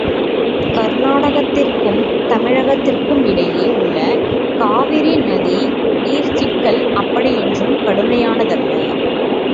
கர்நாடகத்திற்கும் தமிழகத்திற்கும் இடையே உள்ள காவிரி நதி நீர்ச் சிக்கல் அப்படியொன்றும் கடுமையான தல்ல.